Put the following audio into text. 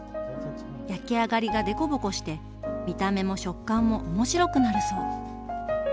焼き上がりがでこぼこして見た目も食感も面白くなるそう。